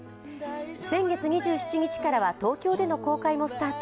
先月２７日からは東京での公開もスタート。